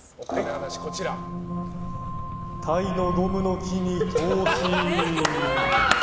タイのゴムの木に投資。